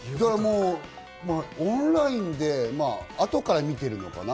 オンラインであとから見ているのかな？